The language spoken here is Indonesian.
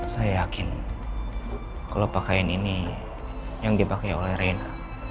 saya yakin kalo pakaian ini yang dipakai oleh reina